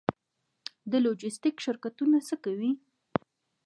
د لوژستیک شرکتونه څه کوي؟